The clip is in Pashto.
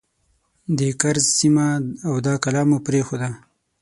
د کرز سیمه او دا کلا مو پرېښوده.